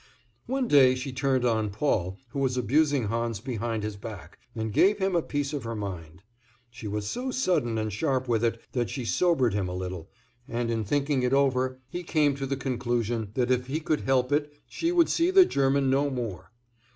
One day she turned on Paul, who was abusing Hans behind his back, and gave him a piece of her mind. She was so sudden and sharp with it that she sobered him a little, and in thinking it over he came to the conclusion that if he could help it she would see the German no more.